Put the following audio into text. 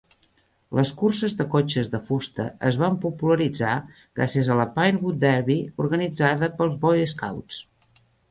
Les curses de cotxes de fusta es van popularitzar gràcies a la Pinewood Derby, organitzada pels Boy Scouts.